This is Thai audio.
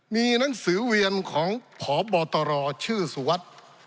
มีหนังสือเวียนของพบตรชื่อสุวัสดิ์